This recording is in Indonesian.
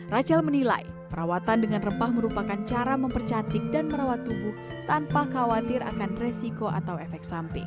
rachel menilai perawatan dengan rempah merupakan cara mempercantik dan merawat tubuh tanpa khawatir akan resiko atau efek samping